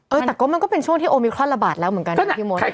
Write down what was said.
เออแต่ก็มันก็เป็นช่วงที่โอมิครอนระบาดแล้วเหมือนกันนะพี่มด